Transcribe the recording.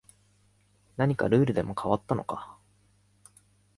何かルールでも変わったのか